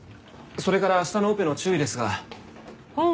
それから明日のオペの注意ですが。